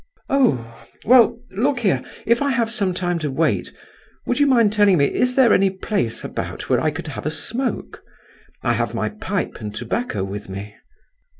"Oh—well, look here, if I have some time to wait, would you mind telling me, is there any place about where I could have a smoke? I have my pipe and tobacco with me."